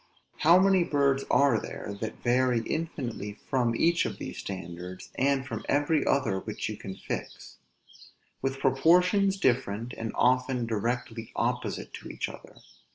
How many birds are there that vary infinitely from each of these standards, and from every other which you can fix; with proportions different, and often directly opposite to each other!